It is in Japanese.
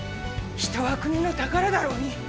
人は国の宝だろうに。